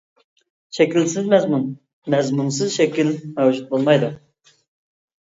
شەكىلسىز مەزمۇن، مەزمۇنسىز شەكىل مەۋجۇت بولمايدۇ.